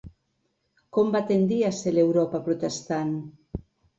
Com va tendir a ser l'Europa protestant?